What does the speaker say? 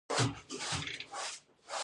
مونږ ګډ یو